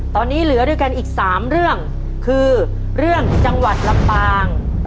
ตอนนี้เหลือด้วยกันอีก๓เรื่องคือเรื่องจังหวัดลำปาง